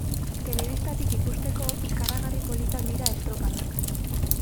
Telebistatik ikusteko, ikaragarri politak dira estropadak.